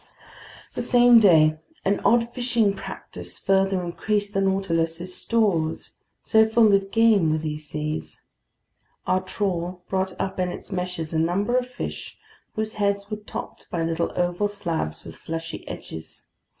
The same day an odd fishing practice further increased the Nautilus's stores, so full of game were these seas. Our trawl brought up in its meshes a number of fish whose heads were topped by little oval slabs with fleshy edges.